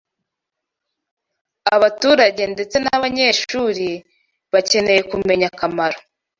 Abaturage ndetse n’abanyeshuri bakeneye kumenya akamaro